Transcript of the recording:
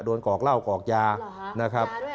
กอกเหล้ากอกยานะครับ